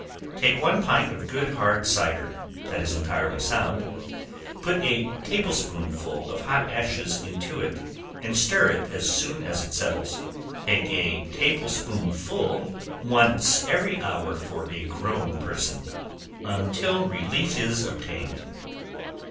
Take one pint of good hard cider, that is entirely sound, put a table spoonful of hot ashes into it, and stir it as soon as it settles; take a table spoonful once every hour for a grown person, until relief is obtained.